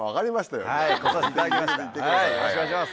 よろしくお願いします。